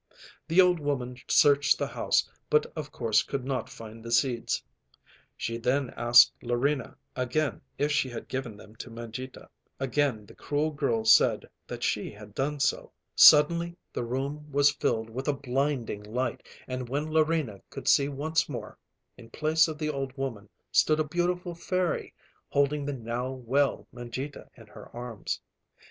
The old woman searched the house, but of course could not find the seeds. She then asked Larina again if she had given them to Mangita. Again the cruel girl said that she had done so. Suddenly the room was filled with a blinding light, and when Larina could see once more, in place of the old woman stood a beautiful fairy holding the now well Mangita in her arms.